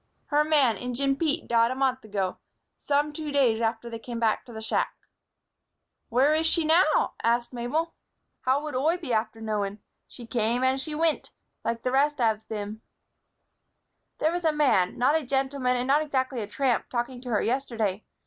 Her man, Injin Pete, died a month ago, some two days after they come to the shack." "But where is she now?" asked Mabel. "Lord love ye," returned Mrs. Malony, "how wud Oi be after knowin'? She came and she wint, like the rest av thim." "There was a man not a gentleman and not exactly a tramp talking to her yesterday.